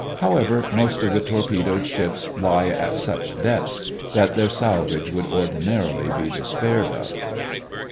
However, most of the torpedoed ships lie at such depths that their salvage would ordinarily be despaired of.